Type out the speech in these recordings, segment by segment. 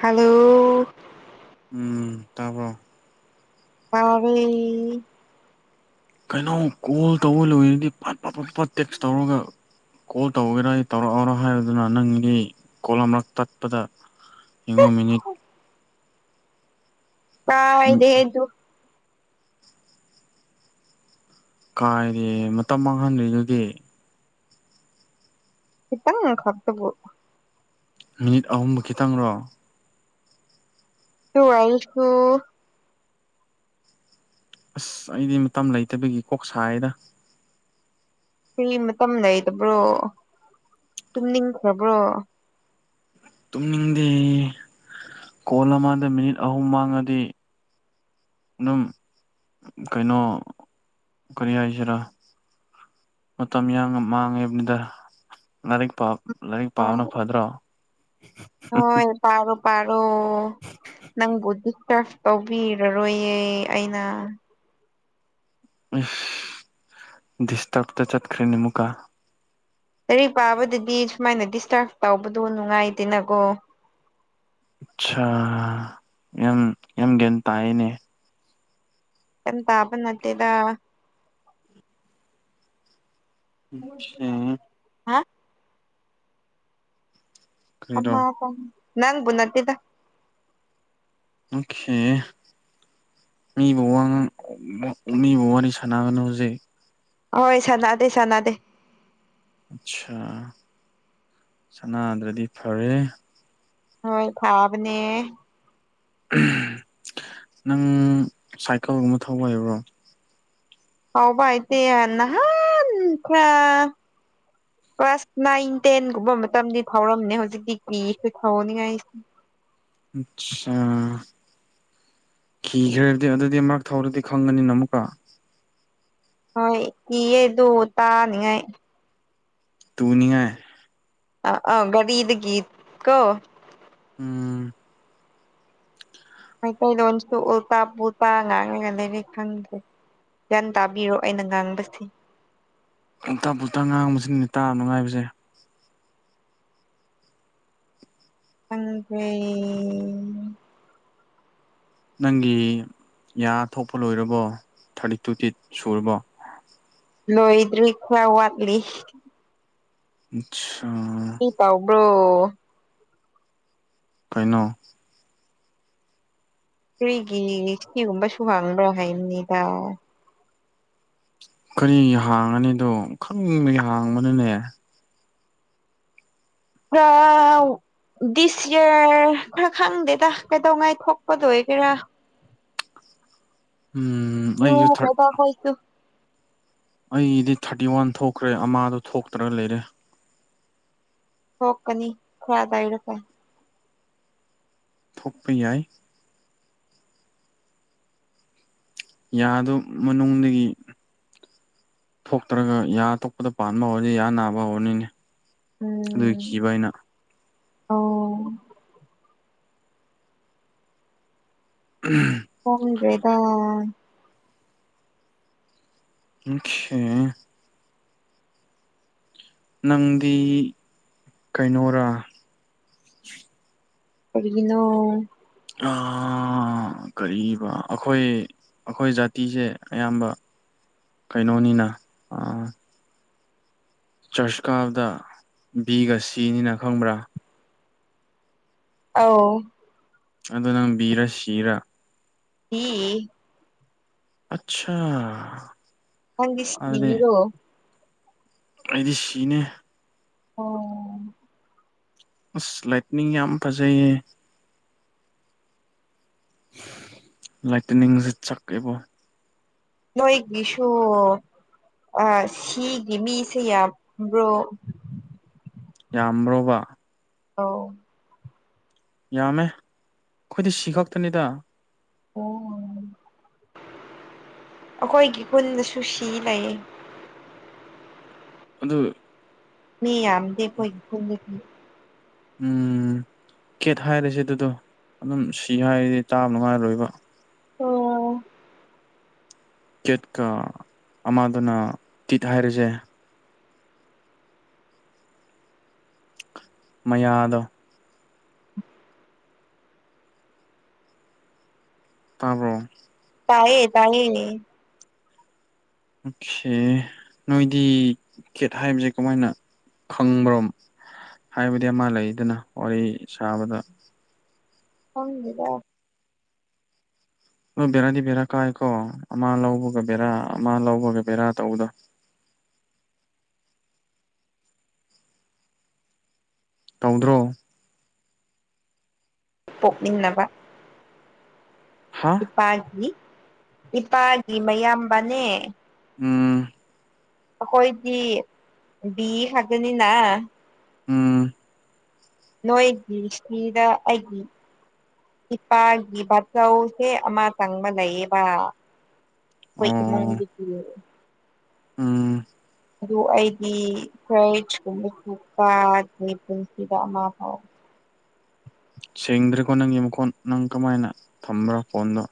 Hello ꯎꯝ ꯇꯥꯕ꯭ꯔꯣ ꯇꯥꯔꯦ ꯀꯩꯅꯣ ꯀꯣꯜ ꯇꯧꯕ ꯂꯣꯏꯔꯗꯤ ꯄꯠ ꯐꯥ ꯄꯠ ꯐꯥ ꯇꯦꯛꯁ ꯇꯧꯔꯒ ꫰ ꯀꯣꯜ ꯇꯧꯒꯦꯔꯥ ꯑꯩ ꯇꯧꯔꯛꯑꯣꯔꯥ ꯍꯥꯏꯌꯣꯗꯅ ꯅꯪꯒꯤꯅꯤ ꯀꯣꯜ ꯑꯃꯔꯛ ꯇꯠꯄꯗ ꫰ ꯌꯦꯡꯉꯣ ꯃꯤꯅꯤꯠ ꫰ ꯄꯥꯏꯗꯦꯗꯣ ꫰ ꯀꯥꯏꯔꯦ ꯃꯇꯝ ꯃꯥꯡꯍꯟꯗ꯭ꯔꯤꯗꯨꯗꯤ ꫰ ꯈꯤꯠꯇꯪ ꯈꯛ ꫰ ꯃꯤꯅꯤꯠ ꯑꯍꯨꯝꯕꯨ ꯈꯤꯇꯪꯔꯣ ꫰ [unintelligible] ꯑꯁ ꯑꯩꯗꯤ ꯃꯇꯝ ꯂꯩꯇꯕꯒꯤ ꯀꯣꯛꯁꯥꯏꯌꯦꯗ ꫰ ꯀꯩꯒꯤ ꯃꯇꯝ ꯂꯩꯇꯕ꯭ꯔꯣ ꯇꯨꯝꯅꯤꯡꯈ꯭ꯔꯕ꯭ꯔꯣ ꫰ ꯇꯨꯝꯅꯤꯡꯗꯦ ꯀꯣꯜ ꯑꯃꯗ ꯃꯤꯅꯤꯠ ꯑꯍꯨꯝ ꯃꯥꯡꯂꯗꯤ ꫰ ꯑꯗꯨꯝ ꯀꯩꯅꯣ ꯀꯔꯤ ꯍꯥꯏꯁꯦꯔꯥ ꫰ ꯃꯇꯝ ꯌꯥꯝꯅ ꯃꯥꯡꯉꯦꯕꯅꯤꯗ ꯂꯥꯏꯔꯤꯛ ꯄꯥ ꯂꯥꯏꯔꯤꯛ ꯄꯥꯕꯅ ꯍꯣꯏ ꯐꯗ꯭ꯔꯣ ꫰ ꯍꯣꯏ ꯄꯥꯔꯣ ꯄꯥꯥꯔꯣ ꫰ ꯅꯪꯕꯨ ꯗꯤꯇꯔꯐ ꯇꯧꯕꯤꯔꯔꯣꯏꯌꯦ ꯑꯩꯅ ꫰ ꯏꯁ ꯗꯤꯁꯇꯔꯐ ꯇꯥ ꯆꯠꯈ꯭ꯔꯦꯅꯦ ꯃꯨꯛꯀꯥ ꫰ ꯂꯥꯏꯔꯤꯛ ꯄꯥꯕꯗꯗꯤ ꯁꯨꯃꯥꯏꯅ ꯗꯤꯁꯇꯥꯔꯐ ꯇꯧꯕꯗꯣ ꯅꯨꯡꯉꯥꯏꯇꯦꯅꯀꯣ ꫰ ꯆꯥ ꯌꯥꯝ ꯌꯥꯝ ꯒ꯭ꯌꯥꯟ ꯇꯥꯏꯌꯦꯅꯦ ꯫ ꯀꯝ ꯇꯥꯕ ꯅꯠꯇꯦꯗꯥ ꫰ ꯆꯦ ꫰ ꯍꯥ ꯀꯔꯤꯔꯣ ꯑꯃꯄꯪ ꯅꯪꯕꯨ ꯅꯠꯇꯦꯗ ꫰ ꯑꯣꯈꯦ ꯃꯤꯕꯨ ꯋꯥ ꯉꯥꯡ ꯃꯤꯕꯨ ꯋꯥꯔꯤ ꯁꯥꯟꯅꯒꯅꯨ ꯍꯧꯖꯤꯛ ꯍꯣꯏ ꯁꯥꯟꯅꯗꯦ ꯁꯥꯟꯅꯗꯦ ꯁꯥ ꯁꯅꯥꯗ꯭ꯔꯗꯤ ꯐꯔꯦ ꯍꯣꯏ ꯐꯥꯕꯅꯦ ꯅꯪ ꯁꯥꯏꯀꯜꯒꯨꯝꯕ ꯊꯧꯕ ꯍꯩꯕ꯭ꯔꯣ ꯇꯧꯕꯥ ꯍꯩꯇꯦ ꯅꯍꯥꯟ ꯈ꯭ꯔꯥ ꯀ꯭ꯂꯥꯁ ꯅꯥꯏꯟ ꯇꯦꯟꯒꯨꯝꯕ ꯃꯇꯝꯗꯤ ꯊꯧꯔꯝꯃꯦ ꯍꯧꯖꯤꯛꯇꯤ ꯀꯤꯈ꯭ꯔꯦ ꯊꯧꯅꯤꯡꯉꯥꯏ ꯁꯆꯥ ꯀꯤꯈ꯭ꯔꯗꯤ ꯑꯗꯨꯗꯤ ꯑꯃꯔꯛ ꯊꯧꯔꯗꯤ ꯈꯪꯒꯅꯤꯅ ꯑꯃꯨꯛꯀ꯫ ꯍꯣꯏ ꯀꯤꯌꯦ ꯗꯣ ꯇꯥꯅꯤꯉꯥꯏ ꯇꯨꯅꯤꯉꯥꯏ ꯑ ꯑ ꯒꯔꯤꯗꯒꯤ ꯀꯣ ꯎꯝ ꯃꯩꯇꯩ ꯂꯣꯟꯁꯨ ꯎꯜꯇꯥ ꯄꯨꯜꯇꯥ ꯉꯥꯡꯉꯒ ꯂꯩꯔꯦ ꯈꯪꯗꯦ꯫ ꯒ꯭ꯌꯥꯟ ꯇꯥꯕꯤꯔꯣ ꯑꯩꯅ ꯉꯥꯡꯕꯁꯦ ꯎꯇꯥ ꯄꯨꯇꯥ ꯉꯥꯡꯕꯁꯤꯅꯤ ꯇꯥ ꯅꯨꯡꯉꯥꯏꯕꯖꯦ ꯈꯪꯗꯦ ꯅꯪꯒꯤ ꯌꯥ ꯊꯣꯛꯄ ꯂꯣꯏꯔꯕꯣ ꯊꯥꯔꯇꯤ ꯇꯨ ꯇꯤꯠ ꯁꯨꯔꯕꯣ ꯂꯣꯏꯗ꯭ꯔꯤ ꯈ꯭ꯔꯥ ꯋꯥꯠꯂꯤ ꯏꯠ ꯁꯥ ꯕ꯭ꯔꯣ꯫ ꯀꯩꯅꯣ꯫ ꯀꯔꯤꯒꯤꯂꯤꯂꯤ ꯁꯤꯒꯨꯝꯕꯁꯨ ꯍꯥꯡꯕ꯭ꯔꯥ ꯍꯥꯏꯕꯅꯤꯗꯥ꯫ ꯀꯔꯤ ꯍꯥꯡꯉꯅꯤꯗꯣ ꯈꯪꯕꯒꯤ ꯍꯥꯡꯕꯅꯤꯅꯦ꯫ ꯄꯥꯎ [unintelligible] ꯗꯤꯁ ꯌꯔ ꯈꯔ ꯈꯪꯗꯦꯗ ꯀꯩꯗꯧꯉꯩ ꯊꯣꯛꯄꯗꯣ ꯑꯣꯏꯒꯦꯔꯥ꯫ ꯎꯝ꯫ ꯑꯩꯁꯨ ꯊꯥꯔꯠ ꯅꯣꯈꯔ꯭ꯦꯗꯥ ꯑꯩꯈꯣꯏꯁꯨ ꯑꯩꯗꯤ ꯊꯥꯔꯇꯤ ꯋꯥꯟ ꯊꯣꯛꯈ꯭ꯔꯦ ꯑꯃꯥꯗꯣ ꯊꯣꯛꯇ꯭ꯔ ꯂꯩꯔꯦ꯫ ꯊꯣꯛꯀꯅꯤ ꯈꯔ ꯂꯩꯔꯀꯥ ꯊꯣꯛꯄ ꯌꯥꯏ꯫ ꯌꯥꯗꯣ ꯃꯅꯨꯡꯗꯒꯤ꯫ ꯊꯣꯛꯇ꯭ꯔꯒ ꯌꯥ ꯑꯇꯣꯛꯄꯗ ꯄꯥꯟꯕ ꯍꯧꯔꯗꯤ ꯌꯥ ꯅꯥꯕ ꯍꯧꯔꯅꯤꯅꯦ ꯑꯗꯨꯒꯤ ꯎꯝ ꯀꯤꯕ ꯑꯩꯅ꯫ ꯑꯣ꯫ ꯎꯝ ꯍꯣꯡꯗ꯭ꯔꯦꯗ꯫ ꯑꯣꯈꯦ ꯅꯪꯗꯤ ꯀꯩꯅꯣꯔꯥ꯫ ꯀꯔꯤꯒꯤꯅꯣ꯫ ꯑꯥ ꯑ ꯀꯔꯤꯕ ꯑꯈꯣꯏ ꯑꯈꯣꯏ ꯖꯥꯇꯤꯁꯦ ꯑꯌꯥꯝꯕ꯫ ꯀꯩꯅꯣꯅꯤꯅ ꯑꯥ꯫ ꯆꯔꯁ ꯀꯥꯕꯗ ꯕꯤꯒ ꯁꯤꯅꯤꯅ ꯈꯪꯕ꯭ꯔꯥ꯫ ꯑꯧ꯫ ꯑꯗꯨ ꯅꯪ ꯕꯤꯔꯥ ꯁꯤꯔꯥ꯫ ꯕꯤ꯫ ꯑꯠꯁꯥ꯫ ꯅꯪꯗꯤ ꯁꯤꯅꯦꯗꯣ꯫ ꯑꯩꯗꯤ ꯁꯤꯅꯦ꯫ ꯑꯣ꯫ ꯑꯁ ꯂꯥꯏꯠꯅꯤꯡ ꯌꯥꯝ ꯐꯖꯩꯌꯦ꯫ ꯂꯥꯏꯇꯅꯤꯡꯖꯦ ꯆꯛꯑꯦꯕꯣ꯫ ꯅꯣꯏꯒꯤꯁꯨ ꯑꯥ ꯁꯤꯒꯤ ꯃꯤꯁꯦ ꯌꯥꯝꯕ꯭ꯔꯣ꯫ ꯌꯥꯝꯕ꯭ꯔꯣꯕ꯫ ꯑꯧ ꯌꯥꯝꯃꯦ ꯈꯣꯏꯗꯤ ꯁꯤ ꯈꯛꯇꯅꯤꯗ꯫ ꯑꯣ ꯑꯩꯈꯣꯏꯒꯤ ꯈꯨꯟꯗꯁꯨ ꯁꯤ ꯂꯩꯌꯦ꯫ ꯑꯗꯨ꯫ ꯃꯤ ꯌꯥꯝꯗꯦ ꯑꯩꯈꯣꯏꯒꯤ ꯈꯨꯟꯗꯗꯤ ꯫ ꯎꯝ ꯀꯦꯠ ꯍꯥꯏꯔꯁꯦ ꯑꯗꯨꯗꯣ ꯑꯗꯨꯝ ꯁꯤ ꯍꯥꯏꯔꯗꯤ ꯇꯥꯕ ꯅꯨꯡꯉꯥꯏꯔꯣꯏꯕ꯫ ꯑꯥ꯫ ꯀꯦꯠꯀ ꯑꯃꯗꯨꯅ ꯇꯤꯠ ꯍꯥꯏꯔꯖꯦ꯫ ꯃꯌꯥꯗꯣ꯫ ꯇꯥꯕ꯭ꯔꯣ꯫ ꯇꯥꯏꯌꯦ ꯇꯥꯏꯌꯦ꯫ ꯑꯣꯈꯦ ꯅꯣꯏꯗꯤ ꯀꯦꯠ ꯍꯥꯏꯕꯖꯦ ꯀꯃꯥꯏꯅ ꯈꯪꯕ꯭ꯔꯣꯝ꯫ ꯍꯥꯏꯕꯗꯤ ꯑꯃ ꯂꯩꯗꯅ ꯋꯥꯔꯤ ꯁꯥꯕꯗ꯫ ꯈꯪꯗꯦꯗ꯫ ꯍꯣꯏ ꯕꯦꯔꯥꯗꯤ ꯕꯦꯔꯥ ꯀꯥꯏꯀꯣ ꯑꯃ ꯂꯧꯕꯒ ꯕꯦꯔꯥ ꯑꯃ ꯂꯧꯕꯒ ꯕꯦꯔꯥ ꯇꯧꯕꯗꯣ꯫ ꯇꯧꯗ꯭ꯔꯣ? ꯄꯣꯛꯃꯤꯟꯅꯕ ꯍꯥ? ꯏꯄꯥꯒꯤ ꯏꯄꯥꯒꯤ ꯃꯌꯥꯝꯕꯅꯦ꯫ ꯎꯝ ꯑꯩꯈꯣꯏꯗꯤ ꯕꯤ ꯍꯥꯏꯕꯅꯤꯅ ꯎꯝ ꯅꯣꯏꯒꯤꯁꯤꯗ ꯑꯩꯒꯤ ꯏꯄꯥꯒꯤ ꯕꯥꯆꯧꯁꯦ ꯑꯃ ꯇꯪꯕ ꯂꯩꯌꯦꯕ ꯍꯣꯏ ꯑꯣ ꯏꯃꯨꯡꯗꯨꯒꯤ ꯎꯝ ꯑꯗꯨ ꯑꯩꯗꯤ ꯐ꯭ꯔꯀꯨꯝꯕꯄ ꯑꯩ ꯄꯨꯟꯁꯤꯗ ꯑꯃ ꯐꯥꯎ ꯁꯦꯡꯗ꯭ꯔꯤꯀꯣ ꯅꯪꯒꯤ ꯃꯈꯣꯟ ꯅꯪ ꯀꯃꯥꯏꯅ ꯊꯝꯕ꯭ꯔꯣ ꯐꯣꯟꯗꯣ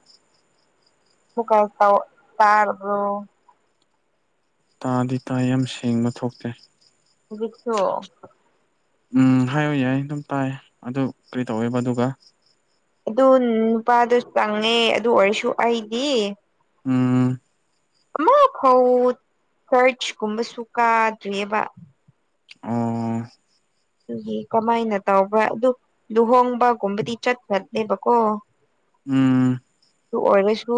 ꯃꯨꯛꯀ ꯇꯧ ꯇꯥꯔꯕꯔꯣ? ꯇꯥꯗꯤ ꯇꯥꯌꯦ ꯌꯥꯝ ꯁꯦꯡꯕ ꯊꯣꯛꯇꯦ ꯌꯧꯖꯤꯛꯇꫭ ꯎꯝ ꯍꯥꯏꯌꯨ ꯌꯥꯏ ꯑꯗꯨꯝ ꯇꯥꯏ ꯑꯗꯨ ꯀꯔꯤ ꯇꯧꯋꯦꯕ ꯑꯗꯨꯒ ꯑꯗꯨ ꯅꯨꯄꯥꯗꯣ ꯆꯪꯉꯦ ꯑꯗꯨ ꯑꯣꯏꯔꯁꯨ ꯑꯩꯗꯤ ꯎꯝ ꯑꯃ ꯐꯥꯎ ꯆꯔꯆ ꯀꯨꯝꯕꯁꯨ ꯀꯥꯗ꯭ꯔꯤꯑꯕ ꯑꯣ ꯑꯗꯨꯒꯤ ꯀꯃꯥꯏꯅ ꯇꯧꯕꯔ ꯑꯗꯨ ꯂꯨꯍꯣꯡꯕꯒꯨꯝꯕꯗꯤ ꯆꯠꯄ꯭ꯔꯅꯦꯕꯀꯣ ꯎꯝ ꯑꯗꯨ ꯑꯣꯏꯔꯁꯨ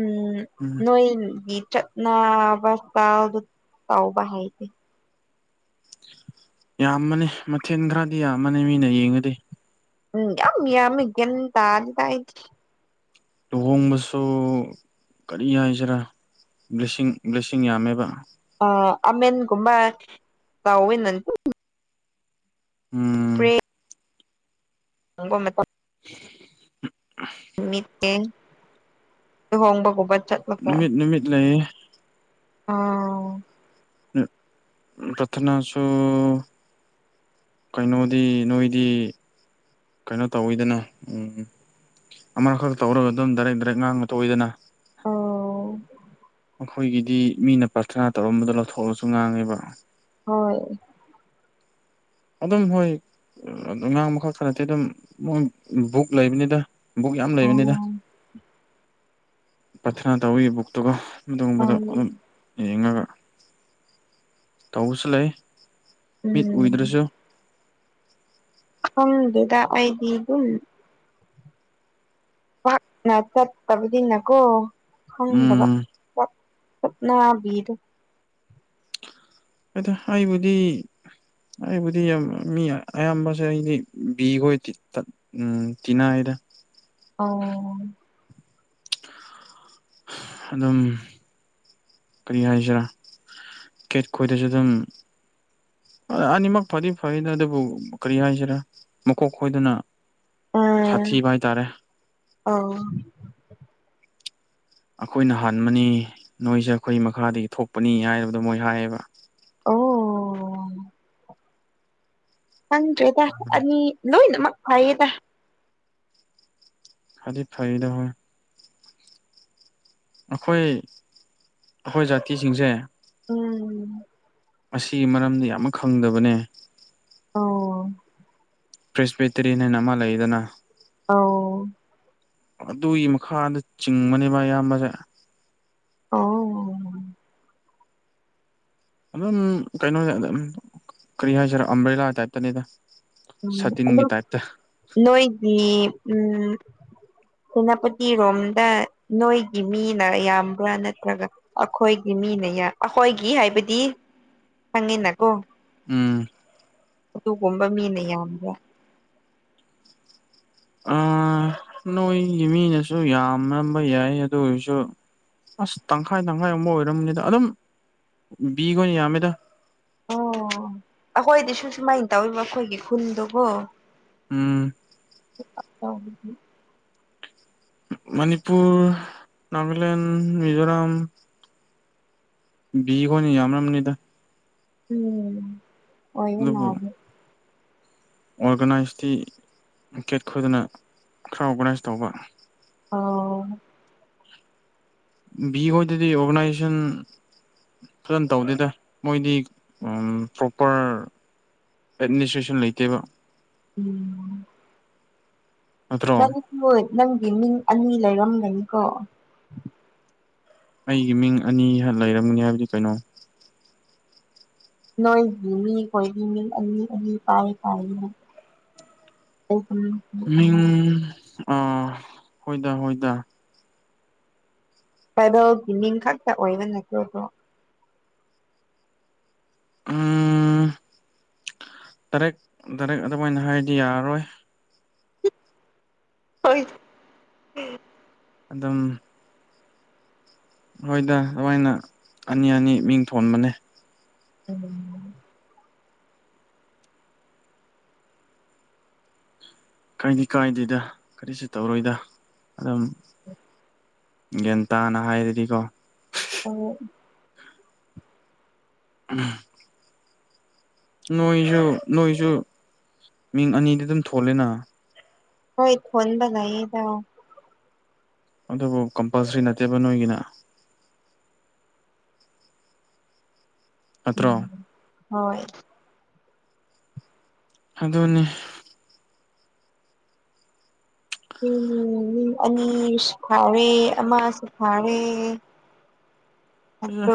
ꯎꯝ ꯎꯝ ꯅꫭꯏꯒꯤ ꯆꯠ ꯅꯥꯕ ꯁꯇꯥꯜꯗꫭ ꯇꯧꯕꯥ ꯍꯥꯏꯗꯤ ꯌꯥꯝꯃꯅꯤ ꯃꯊꯦꯜ ꯈꯔꯗꯤ ꯌꯥꯝꯃꯅꯤ ꯃꯤꯅ ꯌꯦꯡꯉꯗꯤ ꯎꯝ ꯌꯝ ꯌꯥꯃꯤ ꯒꯌꯥꯟ ꯇꯗꯦꯗ ꯑꯩꯗꯤ ꯂꯨꯍꯣꯡꯕꯁꯨ ꯀꯔꯤ ꯍꯥꯏꯁꯤꯔꯥ ꯂꯤꯁꯤꯡ ꯂꯤꯁꯤꯡ ꯌꯥꯝꯃꯦꯕ ꯑ ꯑꯃꯦꯟꯒꯨꯝꯕ ꯇꯥꯎꯤꯟꯅ ꯎꯝ ꯄ꯭ꯔꯦ ꯅꯪꯒꯨꯝ ꯅꯀꫭ [inaudible] [unintelligible] ꯂꯨꯍꯣꯡꯕꯒꯨꯝꯕ ꯆꯠ ꯅꯨꯃꯤꯠ ꯅꯨꯃꯤꯠ ꯂꯩꯌꯦ ꯑꯥꯎ ꯔꯊꯅꯥꯁꯨ ꯀꯩꯅꯣꯗꯤ ꯅꯣꯏꯗꯤ ꯀꯩꯅꯣ ꯇꯧꯋꯤꯗꯅ ꯎꯝ ꯑꯃꯥꯈꯛꯇ ꯇꯧꯔꯒ ꯑꯗꯨꯝ ꯗꯥꯏꯔꯦꯛ ꯗꯥꯏꯔꯦꯛ ꯉꯥꯡꯉꯒ ꯇꫭꯛꯏꯗꯅ ꯑꯣ ꯑꯩꯈꯣꯏꯒꯤꯗꯤ ꯃꯤꯅ ꯄ꯭ꯔꯊꯅꯥ ꯇꯧꯔꯝꯕꯗꯣ ꯂꯧꯊꯣꯛꯂꯁꯨ ꯉꯥꯡꯉꯦꯕ ꯍꯣꯏ ꯑꯗꯨꯝ ꯍꯣꯏ ꯉꯥꯡꯕ ꯈꯛꯇ ꯅꯠꯇꯦꯗ ꯑꯗꯨꯝ ꯃꯣꯏ ꯕꯨꯛ ꯂꯩꯕꯅꯤꯗ ꯕꯨꯛ ꯌꯥꯝ ꯂꯩꯕꯅꯤꯗ ꯑꯣ ꯄꯊꯅꯥ ꯇꯧꯋꯤ ꯕꯨꯛꯇꯨꯒ ꯑꯗꯨꯒꯨꯝꯕꯗꯣ ꯑꯗꯨꯝ ꯌꯦꯡꯉꯒ ꯇꯧꯕꯁꯨ ꯂꯩ ꯃꯤꯠ ꯎꯝ ꯎꯨꯗ꯭ꯔꯁꯨ ꯈ‌ꯪꯗ‌ꯦꯗ ꯑꯩꯗꯤ ꯑꯗꯨꯝ ꯄꯥꯛꯅ ꯆꯠꯇꯕꯨꯗꯤꯅꯀꯣ ꯈꯪꯗꯕ ꯎꯝ ꯆꯨꯞꯅꯕꯤꯗ‌ꯣ ꯑꯗꯣ ꯍꯥꯏꯕꯨꯗꯤ ꯑꯩꯕꯨꯗꯤ ꯌꯥꯝ ꯃꯤ ꯑꯌꯥꯝꯕꯁꯦ ꯑꯩꯗꯤ ꯕꯤꯈꯣꯏ ꯀꯤ ꯇ ꯎꯝ ꯆꯤꯟꯅꯥꯏꯗ ꯑꯧ ꯑꯗꯨꯝ ꯀꯔꯤ ꯍꯥꯏꯁꯤꯔꯥ ꯀꯦꯠ ꯈꯣꯏꯗꯁꯨ ꯑꯗꯨꯝ ꯑ ꯑꯅꯤꯃꯛ ꯐꯗꯤ ꯐꯩꯗ ꯑꯗꯨꯕꯨ ꯀꯔꯤ ꯍꯥꯏꯁꯤꯔꯥ ꯃꯀꯣꯛ ꯈꯣꯏꯗꯅ ꯁꯥꯊꯤꯕ ꯍꯥꯏꯇꯥꯔꯦ ꯑꯧ ꯑꯩꯈꯣꯏꯅ ꯍꯥꯟꯕꯅꯤ ꯅꯣꯏꯁꯦ ꯑꯩꯈꯣꯏ ꯃꯈꯥꯗꯒꯤ ꯊꯣꯛꯄꯅꯤ ꯍꯥꯏꯕꯗꯣ ꯃꯣꯏ ꯍꯥꯏꯌꯦꯕ ꯑꯣ ꯈꯪꯗ꯭ꯔꯦꯗ ꯑꯅꯤ ꯂꯣꯏꯅ ꯃꯛ ꯐꯩꯌ‌ꯦꯗ ꯈꯔꯗꯤ ꯐꯩꯗ ꯑꯩꯈꯣꯏ ꯑꯩꯈꯣꯏ ꯖꯥꯇꯤꯁꯤꯡꯁꯦ ꯎꯝ ꯑꯁꯤ ꯃꯔꯝꯗꯤ ꯑꯃꯛ ꯈꯪꯗꯕꯅꯦ ꯑꯣ ꯄ꯭ꯔꯤꯁꯄꯦꯇꯔꯤꯅꯦꯟ ꯍꯥꯏꯅ ꯑꯃ ꯂꯩꯗꯅ ꯑꯧ ꯑꯗꯨꯒꯤ ꯃꯈꯥꯗ ꯆꯤꯡꯕꯅꯦꯕ ꯑꯌꯥꯝꯕꯁꯦ ꯑꯣ ꯑꯗꯨꯝ ꯀꯩꯅꯣꯅꯦ ꯑꯝ ꯀꯔꯤ ꯍꯥꯏꯁꯤꯔꯣ ꯑꯝꯕ꯭ꯔ‌ꯦꯂꯥ ꯇꯥꯏꯞꯇꯅꯤꯗ ꯎꯝ ꯁꯥꯇꯤꯟꯒꯤ ꯑꯗ‌ꯣ ꯇꯥꯏꯞꯇ ꯅꯣꯏꯒꯤ ꯎꯝ ꯁꯦꯅꯥꯄꯇꯤꯔꯣꯝꯗ ꯅꯣꯏꯒꯤ ꯃꯤꯅ ꯌꯥꯝꯕ꯭ꯔꯥ ꯅꯠꯇ꯭ꯔꯒ ꯑꯩꯈꯣꯏꯒꯤ ꯃꯤꯅ ꯌꯥꯝ ꯑꯩꯈꯣꯏꯒꯤ ꯍꯥꯏꯕꯗꯤ ꯈꯪꯉꯤꯅꯀꯣ ꯎꯝ ꯑꯗꯨꯒꯨꯝꯕ ꯃꯤꯅ ꯌꯥꯝꯕ꯭ꯔꯥ ꯑꯥ ꯅꯣꯏꯒꯤ ꯃꯤꯅꯁꯨ ꯌꯥꯝ ꯃꯝꯕ ꯌꯥꯏ ꯑꯗꯨ ꯑꯣꯏꯔꯁꯨ ꯑꯁ ꯇꯪꯈꯥꯏ ꯇꯪꯈꯥꯏ ꯑꯃꯨꯛ ꯑꯣꯏꯔꯝꯅꯤꯗ ꯑꯗꯨꯝ ꯕꯤꯈ‌ꯣꯏ ꯌꯥꯝꯃꯤꯗ ꯑꯣ ꯑꯩꯈꯣꯏꯗꯤꯁꯨ ꯁꯨꯃꯥꯏꯅ ꯇꯧꯔꯤꯕ ꯑꯩꯈꯣꯏꯒꯤ ꯈꯨꯟꯗꯨꯕ‌ꯣ ꯎꯝ [unintelligible] ꯃꯅꯤꯄꯨꯔ ꯅꯥꯒꯥꯂꯦꯟ ꯃꯤꯖꯣꯔꯥꯝ ꯕꯤꯍ‌ꯣꯏꯅ ꯌꯥꯝꯃꯝꯅꯤꯗ ꯎꯝ ꯑꯣꯏꯌꯦ ꯑꯗꯨꯕꯨ ꯃꯥꯜꯂ‌ꯦ ꯑꯣꯔꯒꯅꯥꯏꯁꯇꯤ ꯀꯦꯠ ꯈꯣꯏꯗꯅ ꯈꯔ ꯑꯣꯔꯒꯅꯥꯏꯁ ꯇꯧꯕ ꯑꯣ ꯕꯤ ꯍꯣꯏꯗꯗꯤ ꯑꯣꯔꯒꯅꯥꯏꯖꯦꯁꯟ ꯐꯖꯅ ꯇꯧꯗꯦꯗ ꯃꯣꯏꯗꯤ ꯎꯝ ꯄ꯭ꯔꯣꯄ꯭ꯔ ꯑꯦꯠꯃꯤꯅꯤꯁꯇ꯭ꯔꯦꯁꯟ ꯂꯩꯇꯦꯕ ꯎꯝ ꯅꯠꯇ꯭ꯔꯣ ꯅꯪꯁꯨ ꯅꯪꯒꯤ ꯃꯤꯡ ꯑꯅꯤ ꯂꯩꯔꯝꯒꯅꯤꯀꯣ ꯑꯩꯒꯤ ꯃꯤꯡ ꯑꯅꯤ ꯍ ꯂꯩꯔꯝꯒꯅꯤ ꯍꯥꯏꯕꯗꯤ ꯀꯩꯅꯣ ꯅꯣꯏꯒꯤ ꯃꯤ ꯈ‌ꯣꯏꯒꯤ ꯃꯤ ꯑꯅꯤ ꯑꯅꯤ ꯄꯥꯎ ꯐꯥꯎꯅ ꯇꯧꯕꯅ‌ꯦ ꯃꯤꯡ ꯑ ꯍꯣꯏꯗ ꯍꯣꯏꯗ ꯇ꯭ꯔꯥꯏꯕꯦꯜꯒꯤ ꯃꯤꯡ ꯈꯛꯇ ꯑꯣꯏꯕ ꯅꯠꯇ꯭ꯔꯣꯗꯣ? ꯎꯝ ꯗꯥꯏꯔꯦꯛ ꯗꯥꯏꯔꯦꯛ ꯑꯗꯨꯃꯥꯏꯅ ꯍꯥꯏꯗꯤ ꯌꯥꯔꯔꯣꯏ꫰ ꯍꯣꯏ ꯑꯗꯨꯝ ꯍꯣꯏꯗ ꯑꯗꯨꯃꯥꯏꯅ ꯑꯅꯤ ꯑꯅꯤ ꯃꯤꯡ ꯊꯣꯟꯕꯅꯦ꫰ ꯎꯝ꫰ ꯀꯔꯤꯗꯤ ꯀꯥꯏꯗꯦꯗ ꯀꯔꯤꯁꯨ ꯇꯧꯔꯣꯏꯗ ꯑꯗꯨꯝ ꯒ꯭ꯌꯥꯟꯇꯥꯥꯅ ꯍꯥꯏꯔꯗꯤꯀꯣ ꯑꯣ ꯎꯝ ꯅꯣꯏꯁꯨ ꯅꯣꯏꯁꯨ ꯃꯤꯡ ꯑꯅꯤꯗꯤ ꯑꯗꯨꯝ ꯊꯣꯂꯦꯅ꫰ ꯍꯣꯏ ꯊꯣꯟꯕ ꯂꯩ ꯌꯦꯗ꯫ ꯑꯗꯨꯕꯨ ꯀꯝꯄꯜꯁꯔꯤ ꯅꯠꯇꯦꯕ ꯅꯣꯏꯒꯤꯅ꫰ ꯅꯠꯇ꯭ꯔꯣ? ꯎꯝ ꯍꯣꯏ ꯑꯗꯨꯅꯤ꫰ ꯎꯝ ꯑꯅꯤꯁꯨ ꯐꯥꯎꯔꯦ ꯑꯃꯁꯁꯨ ꯐꯥꯔꯦ [inaudible] ꯑ [unintelligible]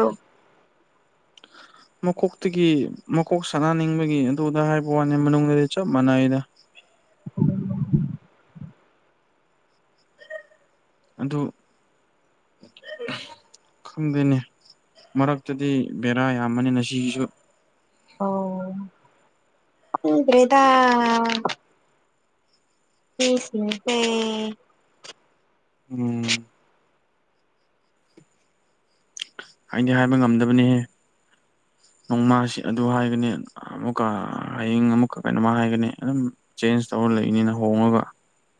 [inaudible] [inaudible] ꯃꯀꯣꯛꯇꯒꯤ ꯃꯀꯣꯛ ꯁꯥꯅꯅꯤꯡꯕꯒꯤ ꯑꯗꯨꯗ ꯍꯥꯏꯕ ꯋꯥꯅꯤ ꯃꯅꯨꯡꯗꯗꯤ ꯆꯞ ꯃꯥꯟꯅꯩꯗ [inaudible] [unintelligible] ꯑꯗꯨ [unintelligible] ꯈꯪꯗꯦꯅꯦ ꯃꯔꯛꯇꯗꯤ ꯕꯦꯔꯥ ꯌꯥꯝꯕꯅꯤꯅ ꯁꯤꯒꯤꯁꯨ ꯑꯣ ꯈꯪꯗ꯭ꯔꯦꯗꯥ ꯃꯤꯁꯤꯡꯁꯦ ꯎꯝ ꯑꯩꯗꯤ ꯍꯥꯏꯕ ꯉꯝꯗꯕꯅꯤꯍꯦ ꯅꯣꯡꯃꯁꯤ ꯑꯗꯨ ꯍꯥꯏꯒꯅꯤ ꯑꯃꯨꯛꯀ ꯍꯌꯦꯡ ꯑꯃꯨꯛꯀ ꯀꯩꯅꯣꯃ ꯍꯥꯏꯒꯅꯤ ꯑꯗꯨꯝ ꯆꯦꯟꯖ ꯇꯧꯔ ꯂꯩꯅꯤꯅ ꯍꯣꯡꯉꯒ